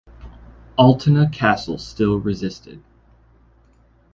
Altena Castle still resisted.